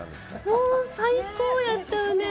もう最高やったよね